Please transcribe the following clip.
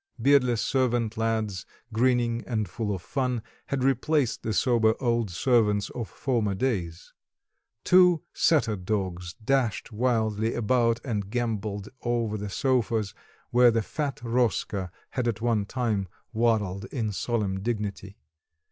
Beardless servant lads, grinning and full of fun, had replaced the sober old servants of former days. Two setter dogs dashed wildly about and gambolled over the sofas, where the fat Roska had at one time waddled in solemn dignity.